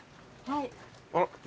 はい。